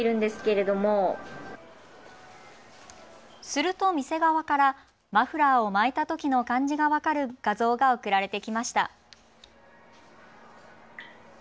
すると店側からマフラーを巻いたときの感じが分かる画像が送られてきました。